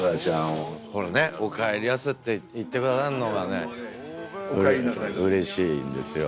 「おかえりやす」って言ってくださるのがねうれしいんですよ。